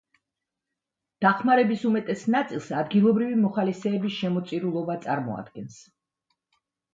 დახმარების უმეტეს ნაწილს ადგილობრივი მოხალისეების შემოწირულობა წარმოადგენს.